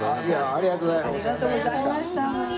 ありがとうございましたホント。